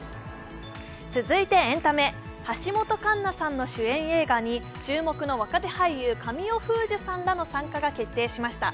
続いてエンタメ、橋本環奈さんの主演映画に注目の若手俳優、神尾楓珠さんの参加が決定しました。